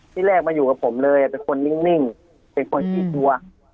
ที่แรกมาอยู่กับผมเลยเป็นคนนิ่งเป็นคนขี้กลัว